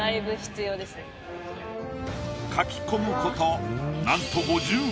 描き込むことなんと。